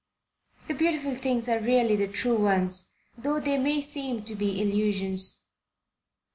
The beautiful things are really the true ones, though they may seem to be illusions.